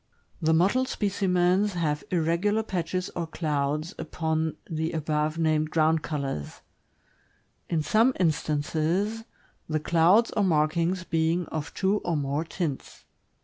The mottled specimens have irregular patches or "clouds" upon the above named ground colors; in some instances, the clouds 542 THE AMERICAN BOOK OF THE DOG. or markings being of two or more tints.